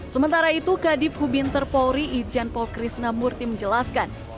sementara itu kadif hubinter polri ijan polkrisnamurty menjelaskan